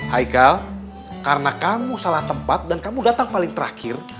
haikal karena kamu salah tempat dan kamu datang paling terakhir